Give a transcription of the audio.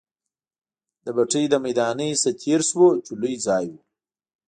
د بټۍ له میدانۍ نه تېر شوو، چې لوی ځای وو.